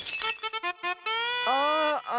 ああ。